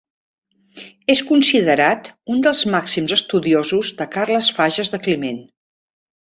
És considerat un dels màxims estudiosos de Carles Fages de Climent.